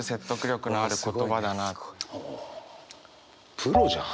プロじゃん！